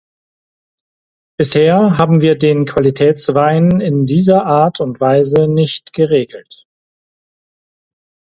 Bisher haben wir den Qualitätswein in dieser Art und Weise nicht geregelt.